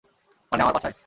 মানে, আমার পাছায়?